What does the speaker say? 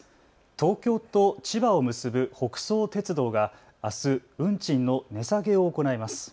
東京と千葉を結ぶ北総鉄道があす運賃の値下げを行います。